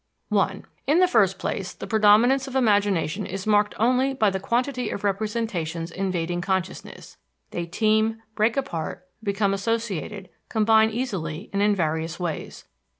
(1) In the first place the predominance of imagination is marked only by the quantity of representations invading consciousness; they teem, break apart, become associated, combine easily and in various ways.